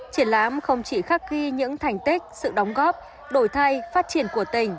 triển lãm không chỉ khắc ghi những thành tích sự đóng góp đổi thay phát triển của tỉnh